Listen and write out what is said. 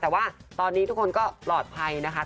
แต่ว่าตอนนี้ทุกคนก็ปลอดภัยนะคะ